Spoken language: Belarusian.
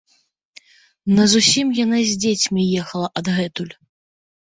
Назусім яна з дзецьмі ехала адгэтуль.